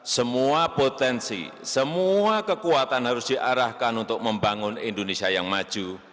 semua potensi semua kekuatan harus diarahkan untuk membangun indonesia yang maju